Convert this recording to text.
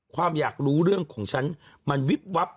ความอยากรู้เรื่องของฉันมันวิบวับ